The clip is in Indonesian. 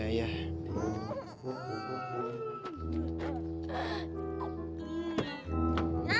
nah yang bener dong